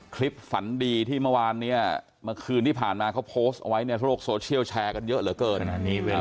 ฝันดีที่เมื่อวานเนี่ยเมื่อคืนที่ผ่านมาเขาโพสต์เอาไว้ในโลกโซเชียลแชร์กันเยอะเหลือเกิน